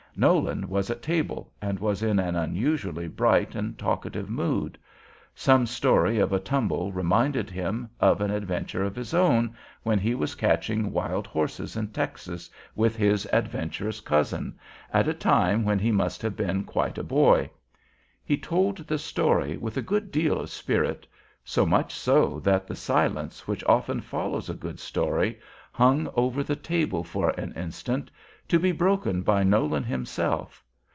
Nolan was at table, and was in an unusually bright and talkative mood. Some story of a tumble reminded him of an adventure of his own when he was catching wild horses in Texas with his adventurous cousin, at a time when he mast have been quite a boy. He told the story with a good deal of spirit, so much so, that the silence which often follows a good story hung over the table for an instant, to be broken by Nolan himself.